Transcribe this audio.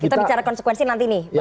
kita bicara konsekuensi nanti nih pak arya